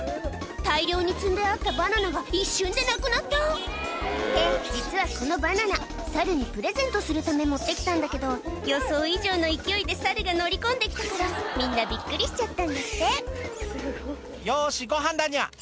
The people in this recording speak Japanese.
大量に積んであったバナナが一瞬でなくなったって実はこのバナナサルにプレゼントするため持って来たんだけど予想以上の勢いでサルが乗り込んで来たからみんなびっくりしちゃったんだって「よしごはんだニャ」